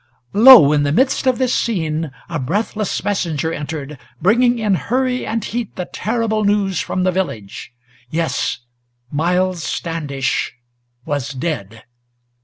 Lo! in the midst of this scene, a breathless messenger entered, Bringing in hurry and heat the terrible news from the village. Yes; Miles Standish was dead!